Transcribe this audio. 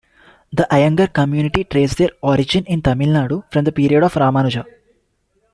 The Iyengar community trace their origin in Tamil Nadu from the period of Ramanuja.